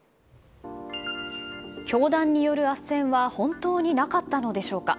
教団による斡旋は本当になかったのでしょうか。